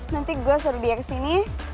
nanti gue suruh dia kesini